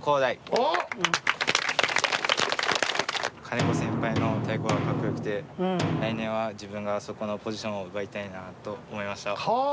金子先輩の太鼓がかっこよくて来年は自分がそこのポジションを奪いたいなと思いました。